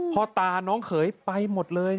พ่อตาน้องเขยไปหมดเลย